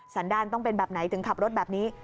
สันดาลต้องเป็นแบบไหนถึงขับรถแบบนี้